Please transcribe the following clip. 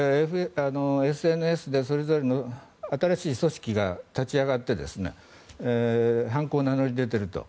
ＳＮＳでそれぞれの新しい組織が立ち上がって犯行を名乗り出ていると。